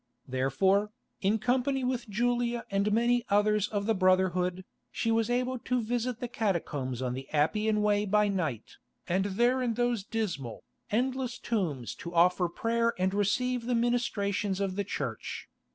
Therefore, in company with Julia and many others of the brotherhood, she was able to visit the catacombs on the Appian Way by night, and there in those dismal, endless tombs to offer prayer and receive the ministrations of the Church.